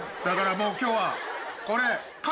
だからもう今日はこれ。